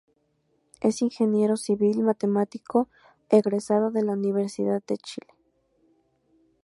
Es ingeniero civil matemático egresado de la Universidad de Chile.